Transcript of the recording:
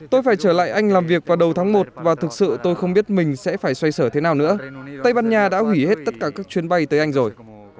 tôi phải trở lại anh làm việc vào đầu tháng một và thực sự tôi không biết mình sẽ phải xoay sở thế nào nữa tây ban nha đã hủy hết tất cả các chuyến bay tới anh rồi